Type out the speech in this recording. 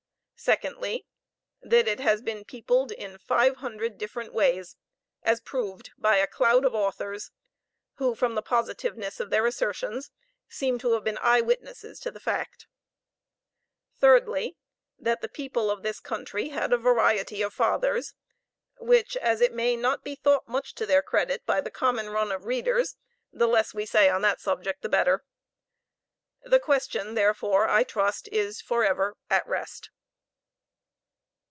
Secondly, that it has been peopled in five hundred different ways, as proved by a cloud of authors, who, from the positiveness of their assertions, seem to have been eye witnesses to the fact. Thirdly, that the people of this country had a variety of fathers, which, as it may not be thought much to their credit by the common run of readers, the less we say on the subject the better. The question, therefore, I trust, is for ever at rest.